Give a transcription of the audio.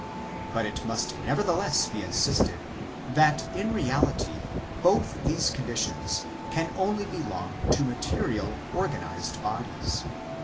but it must nevertheless be insisted that in reality both these conditions can only belong to material, organized bodies.